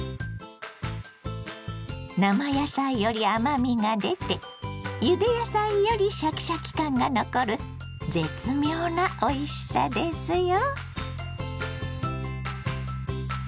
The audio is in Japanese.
生野菜より甘みが出てゆで野菜よりシャキシャキ感が残る絶妙なおいしさですよ。